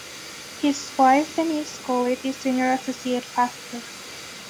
His wife Denise Goulet is Senior Associate Pastor.